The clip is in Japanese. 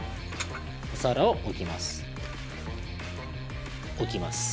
お皿を置きます。